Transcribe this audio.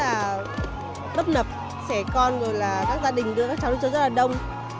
là bấp nập sẻ con rồi là các gia đình đưa các cháu đi chơi rất là đông